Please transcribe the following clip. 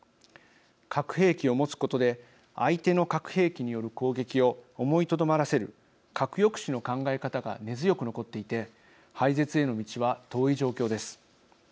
核兵器を持つことで相手の核兵器による攻撃を思いとどまらせる核抑止の考え方が根強く残っていて廃絶への道は遠い状況です。